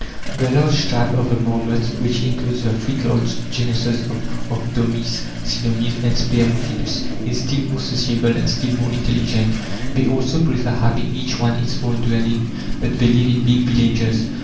The large tribe, of the marmots, which includes the three large genuses of Arctomys, Cynomys, and Spermophilus, is still more sociable and still more intelligent. They also prefer having each one its own dwelling; but they live in big villages.